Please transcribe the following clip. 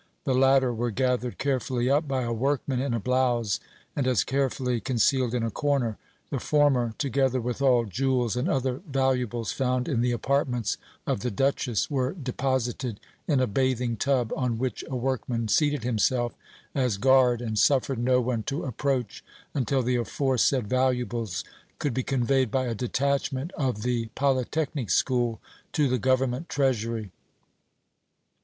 The latter were gathered carefully up by a workman in a blouse, and as carefully concealed in a corner. The former, together with all jewels and other valuables found in the apartments of the Duchess, were deposited in a bathing tub, on which a workman seated himself as guard and suffered no one to approach until the aforesaid valuables could be conveyed by a detachment of the Polytechnic School to the Government treasury.